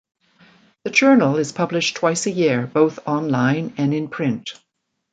The Journal is published twice a year, both online and in print.